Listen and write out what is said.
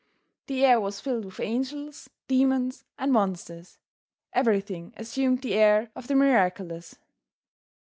The air was filled with angels, demons and monsters. Everything assumed the air of the miraculous.